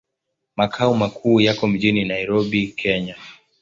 Makao makuu yako mjini Nairobi, Kenya.